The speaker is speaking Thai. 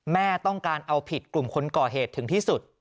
แม่ต้องการเอาผิดกลุ่มคนก่อเหตุถึงที่สุด